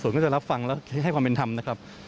คือผมคิดว่าพนักงานส่อส่วนก็จะรับฟังแล้วให้ความเป็นธรรมนะครับ